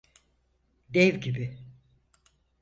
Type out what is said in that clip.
Dev gibi.